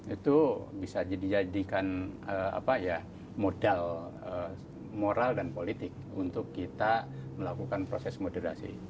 itu bisa dijadikan modal moral dan politik untuk kita melakukan proses moderasi